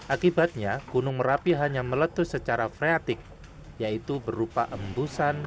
akibatnya gunung merapi hanya meletus secara freatik yaitu berupa embusan